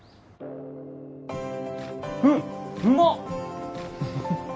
うんうまっ！